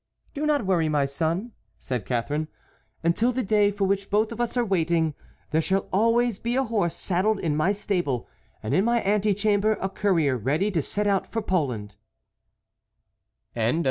"Do not worry, my son," said Catharine. "Until the day for which both of us are waiting, there shall always be a horse saddled in my stable, and in my antechamber a courier ready to set out for Poland."